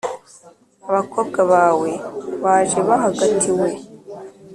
abakobwa bawe baje bahagatiwe.